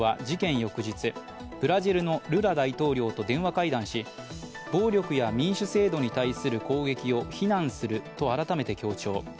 翌日、ブラジルのルラ大統領と電話会談し暴力や民主制度に対する攻撃を非難すると改めて強調。